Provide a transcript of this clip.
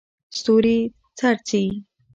ستوري څرڅي.